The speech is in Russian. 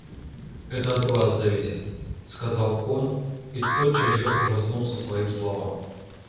Это от вас зависит, — сказал он и тотчас же ужаснулся своим словам.